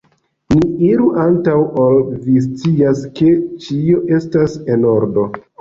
Ne iru, antaŭ ol vi scias, ke ĉio estas en ordo!